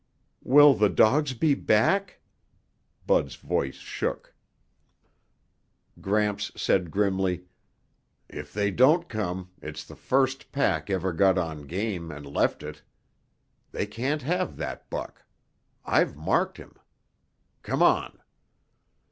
"Will the dogs be back?" Bud's voice shook. Gramps said grimly, "If they don't come, it's the first pack ever got on game and left it. They can't have that buck. I've marked him. Come on."